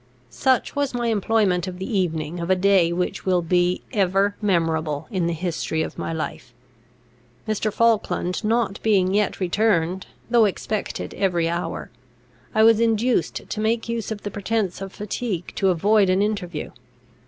Such was my employment of the evening of a day which will be ever memorable in the history of my life. Mr. Falkland not being yet returned, though expected every hour, I was induced to make use of the pretence of fatigue to avoid an interview.